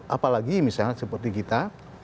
apalagi misalnya seperti kita